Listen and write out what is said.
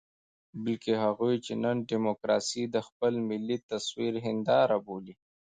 بلکې هغوی چې نن ډيموکراسي د خپل ملي تصوير هنداره بولي.